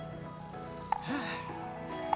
udah ganti tangan